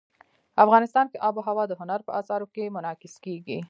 افغانستان کې آب وهوا د هنر په اثار کې منعکس کېږي.